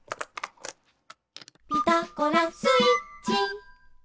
「ピタゴラスイッチ」